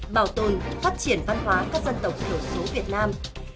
bảo tồn phát triển văn hóa các dân tộc thiểu số việt nam